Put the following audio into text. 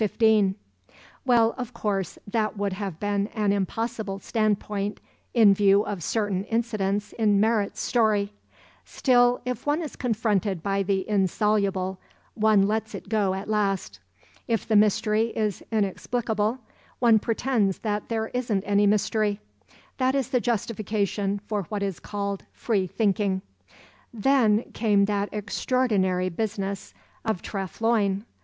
Well, of course, that would have been an impossible standpoint in view of certain incidents in Merritt's story. Still, if one is confronted by the insoluble, one lets it go at last. If the mystery is inexplicable, one pretends that there isn't any mystery. That is the justification for what is called free thinking. "Then came that extraordinary business of Treff Loyne.